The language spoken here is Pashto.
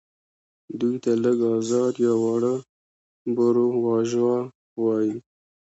دوی ته لږ ازاد یا واړه بوروژوا وايي.